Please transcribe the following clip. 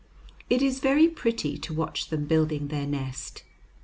It is very pretty to watch them building their nest.